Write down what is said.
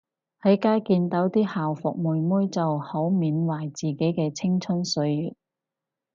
喺街見到啲校服妹妹就好懷緬自己嘅青春歲月